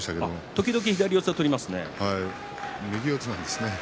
時々、左四つを取りますね。